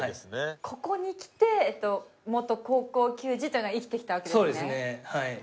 ここにきて元高校球児というのが生きてきたわけですね。